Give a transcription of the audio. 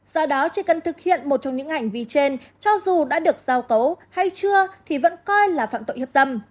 do đó chỉ cần thực hiện một trong những hành vi trên cho dù đã được giao cấu hay chưa thì vẫn coi là phạm tội hiếp dâm